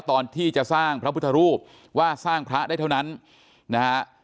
ตอนที่จะสร้างพระพุทธรูปว่าสร้างพระได้เท่านั้นนะฮะ